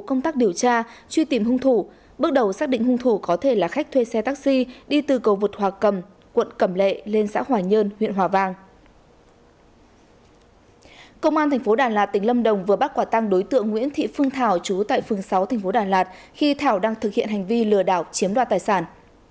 công an tp đà lạt tỉnh lâm đồng vừa bắt quả tăng đối tượng nguyễn thị phương thảo trú tại phường sáu tp đà lạt khi thảo đang thực hiện hành vi lừa đảo chiếm đoàn tài sản